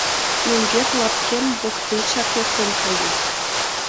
Мӧҥгет лапкем воктечак эртен кает.